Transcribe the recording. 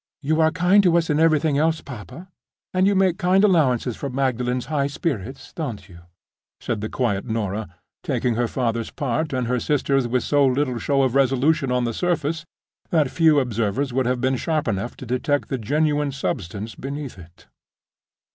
"You are kind to us in everything else, papa; and you make kind allowances for Magdalen's high spirits—don't you?" said the quiet Norah, taking her father's part and her sister's with so little show of resolution on the surface that few observers would have been sharp enough to detect the genuine substance beneath it.